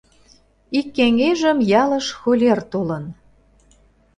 Ик кеҥежым ялыш холер толын.